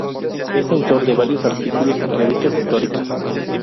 Es autor de varios artículos en revistas históricas.